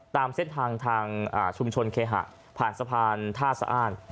ตามเส้นทางทางชุมชนเคหะผ่านสะพานท่าสะอ้าน